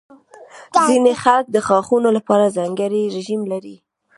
ځینې خلک د غاښونو لپاره ځانګړې رژیم لري.